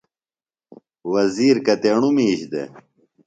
وزیر کتیݨُوۡ مِیش دےۡ؟